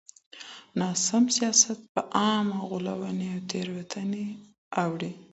ناسم سياست په عامه غولوني او تېرايستني اوړي.